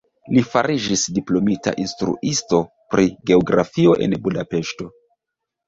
Li fariĝis diplomita instruisto pri geografio en Budapeŝto.